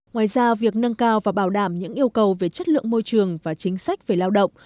ngoài ra việc nâng cao và bảo đảm những yêu cầu về chất lượng môi trường và chính sách về lao động